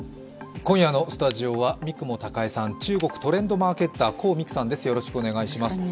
今夜のスタジオは三雲孝江さん、中国トレンドマーケッター、黄未来さんです。